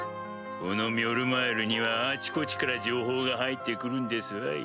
このミョルマイルにはあちこちから情報が入って来るんですわい。